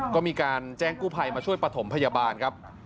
ก็มีการแจ้งกู้ภัยมาช่วยประถมพยาบาลครับ